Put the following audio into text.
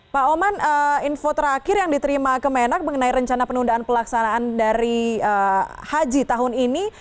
pak oman info terakhir yang diterima kemenak mengenai rencana penundaan pelaksanaan dari haji tahun ini